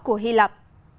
của hy lạp